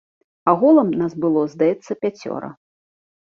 Агулам нас было, здаецца, пяцёра.